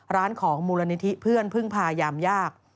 ของมูลนิธิเพื่อนพึ่งพายามยาก